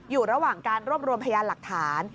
อยู่ระหว่างการรวบรวมพยานหลักฐาน